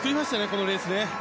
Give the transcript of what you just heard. このレースね。